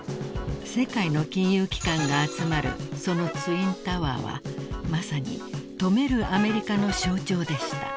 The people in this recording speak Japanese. ［世界の金融機関が集まるそのツインタワーはまさに富めるアメリカの象徴でした］